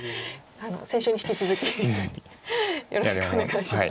先週に引き続きよろしくお願いします。